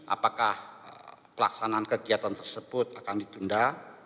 apakah pelaksanaan kegiatan tersebut akan ditunda